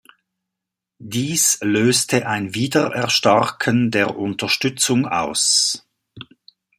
Dies löste ein Wiedererstarken der Unterstützung aus.